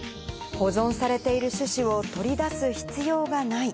保存されている種子を取り出す必要がない。